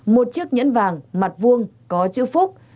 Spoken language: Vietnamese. một chiếc nhẫn vàng mặt vuông có chữ phúc